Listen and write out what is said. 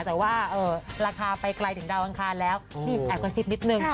แต่ว่าราคาไปไกลถึงดาวอังคารแล้วนี่แอบกระซิบนิดนึง